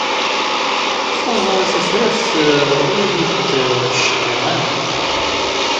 Taẓuri tatrart ur iyi-d-cqi ara.